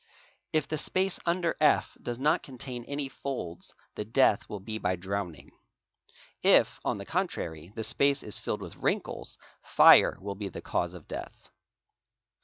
If the space under F does not conta any folds the death will be by drowning. If, on the contrary, the space filled with wrinkles, fire will be the cause of death.